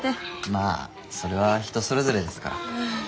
まあそれは人それぞれですから。